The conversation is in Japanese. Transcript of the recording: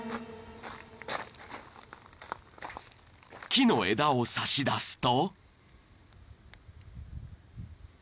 ［木の枝を差し出すと］